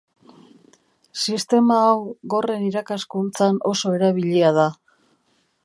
Sistema hau gorren irakaskuntzan oso erabilia da.